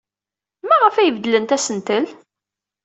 Maɣef ay beddlent asentel?